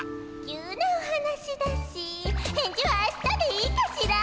急なお話だし返事は明日でいいかしら？